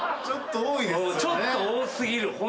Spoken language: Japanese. ちょっと多すぎる。